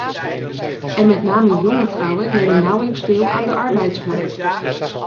En met name jonge vrouwen nemen nauwelijks deel aan de arbeidsmarkt.